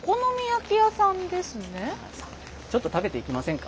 ちょっと食べていきませんか？